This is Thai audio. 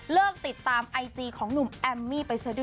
เลิกติดตามไอจีของหนุ่มแอมมี่ไปเสื้อดื้อ